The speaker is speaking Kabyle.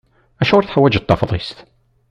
Acuɣer i teḥwaǧeḍ tafḍist?